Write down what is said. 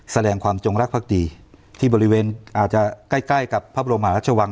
แสดงความจงรักภักดีที่บริเวณอาจจะใกล้ใกล้กับพระบรมหาราชวัง